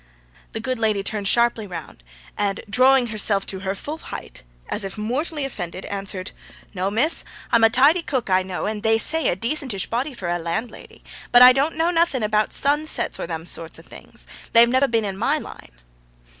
The good lady turned sharply round and, drawing herself to her full height, as if mortally offended, answered: 'No, miss; I'm a tidy cook, I know, and "they say" a decentish body for a landlady, but I don't knaw nothing about sunsets or them sort of things, they've never been in my line.'